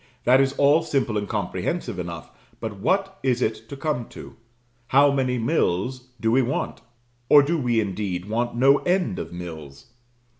That is all simple and comprehensive enough but what is it to come to? How many mills do we want? or do we indeed want no end of mills?